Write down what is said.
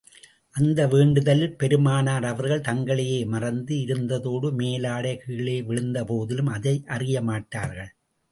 அந்த வேண்டுதலில், பெருமானார் அவர்கள் தங்களையே மறந்து இருந்ததோடு, மேலாடை கீழே விழுந்த போதிலும் அதை அறிய மாட்டார்கள்.